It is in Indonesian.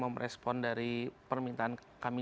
merespon dari permintaan kami